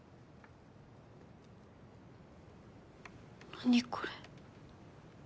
何これ。